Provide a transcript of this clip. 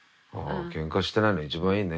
ケンカしてないの一番いいね。